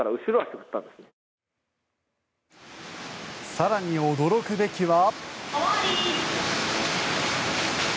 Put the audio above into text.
更に、驚くべきは。